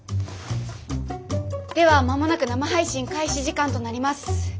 では間もなく生配信開始時間となります。